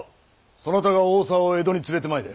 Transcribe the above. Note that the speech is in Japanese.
そなたが大沢を江戸に連れてまいれ。